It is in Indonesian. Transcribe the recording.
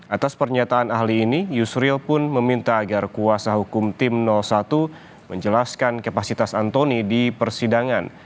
atas pernyataan ahli ini yusril pun meminta agar kuasa hukum tim satu menjelaskan kapasitas antoni di persidangan